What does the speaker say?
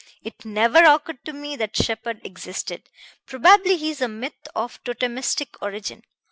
It never occurred to me that Sheppard existed. Probably he is a myth of totemistic origin.